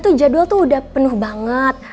tuh jadwal tuh udah penuh banget